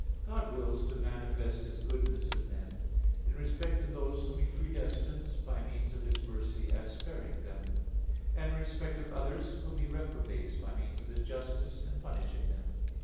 God wills to manifest His goodness in men; in respect to those whom He predestines, by means of His mercy, as sparing them; and in respect of others, whom he reprobates, by means of His justice, in punishing them.